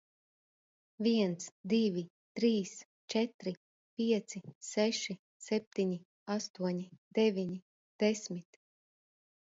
Viens, divi, trīs, četri, pieci, seši, septiņi, astoņi, deviņi, desmit.